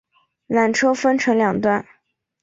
缆车分成两段